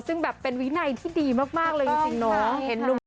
ซึ่งแบบเป็นวินัยที่ดีมากเลยจริงเนาะ